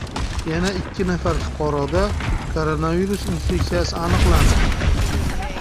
Yana ikki nafar fuqaroda koronavirus infeksiyasi aniqlandi